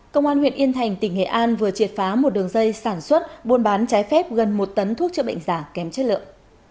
công an huyện yên thành tỉnh nghệ an vừa triệt phá một đường dây sản xuất buôn bán trái phép gần một tấn thuốc chữa bệnh giả kém chất lượng